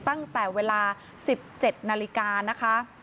ตั้งแต่เวลา๑๗นาฬิกานะคะ